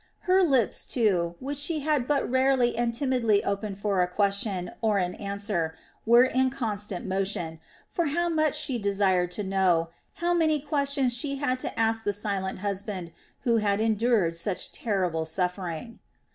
Her lips, too, which she had but rarely and timidly opened for a question or an answer, were in constant motion; for how much she desired to know, how many questions she had to ask the silent husband who had endured such terrible suffering.